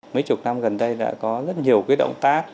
mấy chục năm gần đây đã có rất nhiều cái động tác